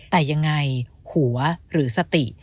แต่ยังไงหัวหรือสติ